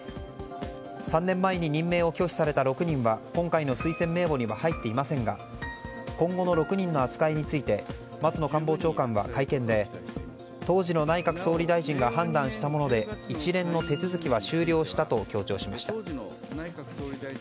３年前に任命を拒否された６人は今回の推薦名簿に入っていませんが今後の６人の扱いについて松野官房長官は会見で当時の内閣総理大臣が判断したもので一連の手続きは終了したと強調しました。